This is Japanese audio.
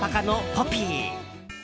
ポピー！